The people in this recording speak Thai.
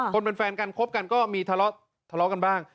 คนเป็นแฟนกันคบกันก็มีทะเลาะกันบ้าง